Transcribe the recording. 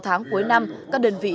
sáu tháng cuối năm các đơn vị